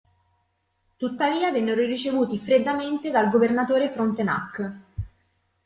Tuttavia vennero ricevuti freddamente dal governatore Frontenac.